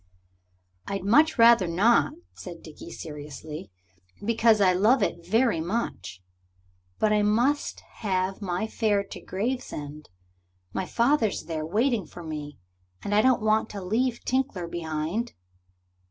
"I'd much rather not," said Dickie seriously, "because I love it very much. But I must have my fare to Gravesend. My father's there, waiting for me. And I don't want to leave Tinkler behind."